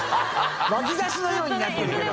脇差しのようになってるけど。